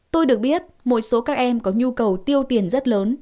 tôi được biết một số các em có nhu cầu tiêu tiền rất lớn